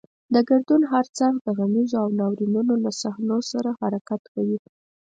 د ګردون هر څرخ د غمیزو او ناورینونو له صحنو سره حرکت کوي.